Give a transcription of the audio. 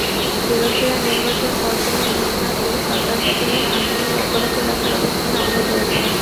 বিরোধীরা নির্বাচন বর্জনের ঘোষণা দিয়ে সরকার পতনের আন্দোলন অব্যাহত রাখার অবস্থানে অনড় রয়েছে।